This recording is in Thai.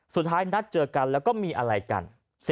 สุดท้ายนัดเจอกันแล้วก็มีอะไรกัน